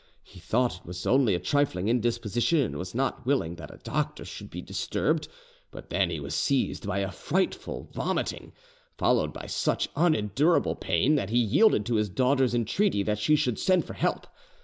He thought it was only a trifling indisposition, and was not willing that a doctor should be disturbed. But then he was seized by a frightful vomiting, followed by such unendurable pain that he yielded to his daughter's entreaty that she should send for help.